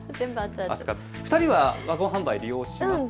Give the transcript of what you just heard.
２人はワゴン販売利用しますか。